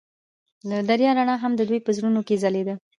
د دریا رڼا هم د دوی په زړونو کې ځلېده.